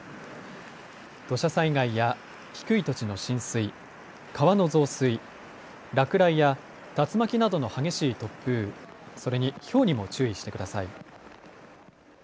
土砂災害や低い土地の浸水、川の増水、落雷や竜巻などの激しい突風、それに、ひょうにも注意してください。